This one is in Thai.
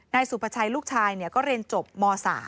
นายสุภาชัยลูกชายก็เรียนจบม๓